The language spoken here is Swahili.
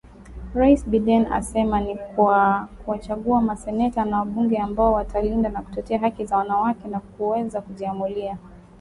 Rais Biden asema ni kwa kuwachagua maseneta na wabunge ambao watalinda na kutetea haki za wanawake na kuweza kujiamulia.